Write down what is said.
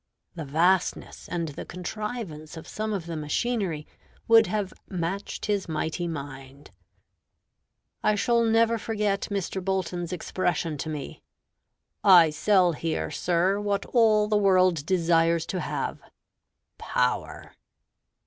The vastness and the contrivance of some of the machinery would have "matched his mighty mind." I shall never forget Mr. Bolton's expression to me, "I sell here, sir, what all the world desires to have power."